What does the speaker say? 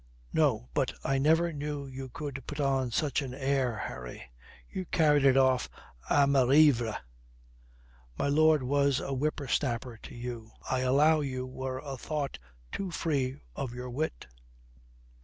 No, but I never knew you could put on such an air, Harry. You carried it off à merveille. My lord was a whipper snapper to you. I allow you were a thought too free of your wit.